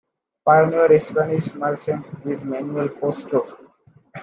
Pioneer Spanish Merchant is Manuel Pastor.